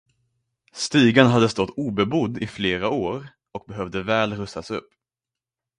Stugan hade stått obebodd i flera år och behövde väl rustas upp.